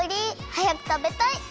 はやくたべたい！